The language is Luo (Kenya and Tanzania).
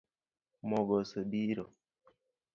Mogo osebiro